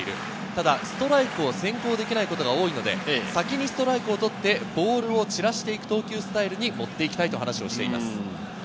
ただストライクを先行できないことが多いので、先にストライクを取ってボールを散らしていく投球スタイルに持っていきたいと話しています。